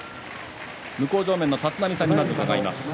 向正面の立浪さんに伺います。